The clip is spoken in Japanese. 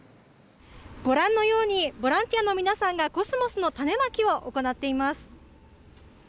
ご覧のようにボランティアの皆さんがコスモスの種まきを行っています。